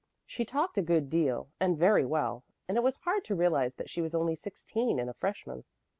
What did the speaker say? She talked a good deal and very well, and it was hard to realize that she was only sixteen and a freshman.